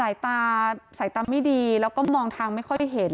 สายตาสายตาไม่ดีแล้วก็มองทางไม่ค่อยเห็น